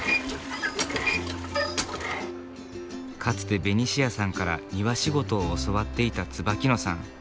かつてベニシアさんから庭仕事を教わっていた椿野さん。